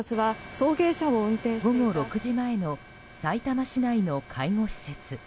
午後６時前のさいたま市内の介護施設。